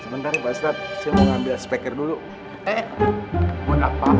sebentar saya mau ambil speaker dulu